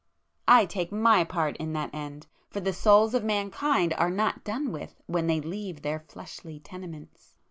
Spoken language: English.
I take My part in that end!—for the souls of mankind are not done with when they leave their fleshly tenements!